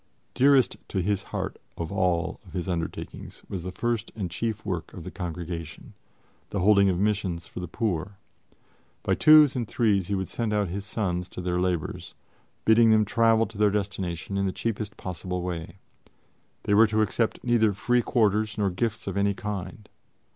Dearest to his heart of all his undertakings was the first and chief work of the Congregation the holding of missions for the poor. By twos and threes he would send out his sons to their labors, bidding them travel to their destination in the cheapest possible way. They were to accept neither free quarters nor gifts of any kind.